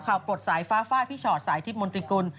เขาปลดสายฟ้าพี่ชอดสายทิพย์มนตรีกุล